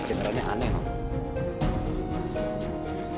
genernya aneh nona